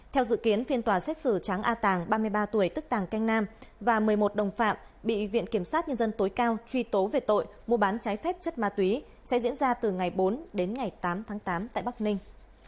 theo dự kiến phiên tòa xét xử tráng a tàng ba mươi ba tuổi tức tàng canh nam và một mươi một đồng phạm bị viện kiểm sát nhân dân tối cao truy tố về tội mua bán trái phép chất ma túy sẽ diễn ra từ ngày bốn đến ngày tám tháng tám tại bắc ninh